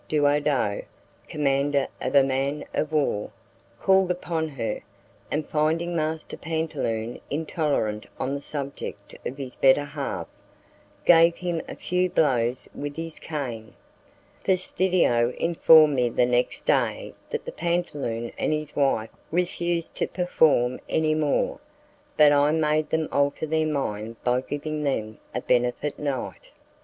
Duodo, commander of a man of war, called upon her, and, finding master pantaloon intolerant on the subject of his better half, gave him a few blows with his cane. Fastidio informed me the next day that the pantaloon and his wife refused to perform any more, but I made them alter their mind by giving them a benefit night.